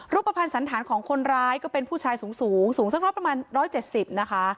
รูปภัณฑ์สันธารของคนร้ายก็เป็นผู้ชายสูงสูงสักประมาณ๑๗๐นะคะ